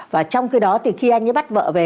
và trong khi đó thì khi anh ấy bắt vợ về